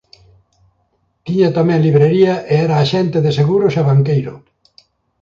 Tiña tamén librería e era axente de seguros e banqueiro.